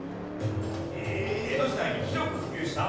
江戸時代に広く普及した。